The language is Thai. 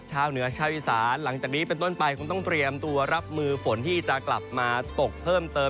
ชาวเหนือชาวอีสานหลังจากนี้เป็นต้นไปคงต้องเตรียมตัวรับมือฝนที่จะกลับมาตกเพิ่มเติม